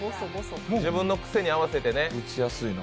自分の癖に合わせてね。